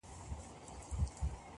• وطن چي ښځو لره زندان سي -